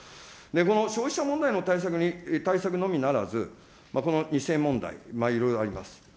この消費者問題の対策のみならず、この２世問題、いろいろあります。